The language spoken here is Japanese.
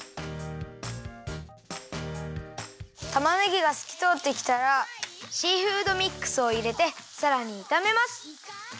たまねぎがすきとおってきたらシーフードミックスをいれてさらにいためます。